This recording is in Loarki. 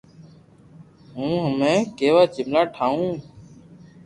ھون ھمو ڪيوا جملا ٺاھو